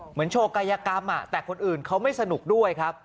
โชว์กายกรรมแต่คนอื่นเขาไม่สนุกด้วยครับ